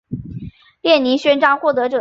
列宁勋章获得者。